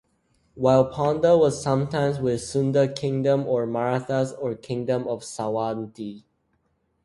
While Ponda was sometimes with Sunda Kingdom or Marathas or Kingdom of Sawantwadi.